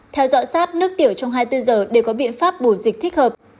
theo dõi sát nước tiểu trong hai mươi bốn giờ đều có biện pháp bổ dịch thích hợp